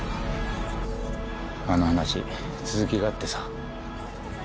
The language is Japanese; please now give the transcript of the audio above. あの話続きがあってさ。